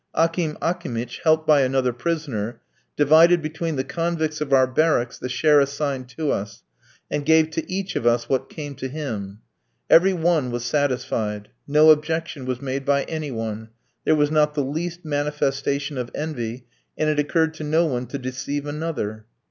Akim Akimitch, helped by another prisoner, divided between the convicts of our barracks the share assigned to us, and gave to each of us what came to him. Every one was satisfied. No objection was made by any one. There was not the least manifestation of envy, and it occurred to no one to deceive another.